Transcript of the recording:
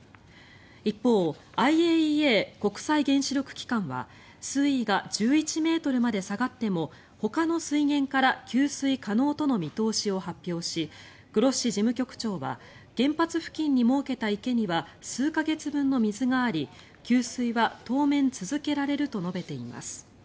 一方ＩＡＥＡ・国際原子力機関は水位が１１ｍまで下がってもほかの水源から給水可能との見通しを発表しグロッシ事務局長は原発付近に設けた池には数か月分の水があり給水は当面、続けられると述べています。